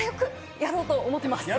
やろうと思ってる。